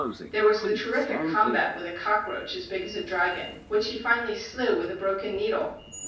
There was the terrific combat with a cockroach as big as a dragon, which he finally slew with a broken needle!